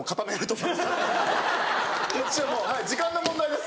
こっちはもう時間の問題です。